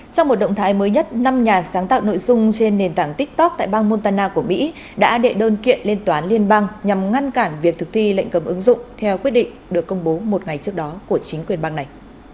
trong một động thái mới nhất năm nhà sáng tạo nội dung trên nền tảng tiktok tại bang montana của mỹ đã đệ đơn kiện lên toán liên bang nhằm ngăn cản việc thực thi lệnh cấm ứng dụng theo quyết định được công bố một ngày trước đó của chính quyền bang này